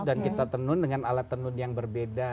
dan kita tenun dengan alat tenun yang berbeda